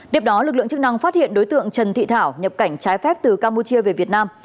tiếp đó lực lượng chức năng phát hiện đối tượng trần thị thảo nhập cảnh trái phép từ campuchia về việt nam